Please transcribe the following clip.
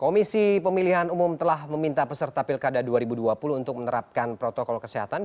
komisi pemilihan umum telah meminta peserta pilkada dua ribu dua puluh untuk menerapkan protokol kesehatan